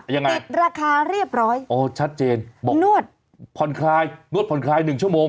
ยังไงโอ้ยชัดเจนนวดผ่อนคลายนวดผ่อนคลาย๑ชั่วโมง